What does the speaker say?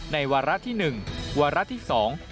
วาระที่หนึ่งวาระที่สอง